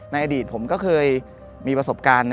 อดีตผมก็เคยมีประสบการณ์